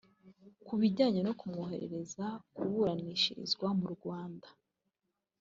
Ku bijyanye no kumwohereza kuburanishirizwa mu Rwanda